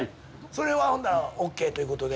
それはほんだらＯＫということで。